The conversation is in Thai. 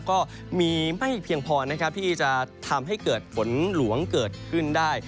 ก็มีไม่เพียงพอนะครับที่จะทำให้เกิดฝนหลวงเกิดขึ้นได้